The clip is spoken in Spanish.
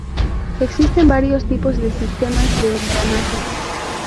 Existen varios tipos de sistemas de engranaje.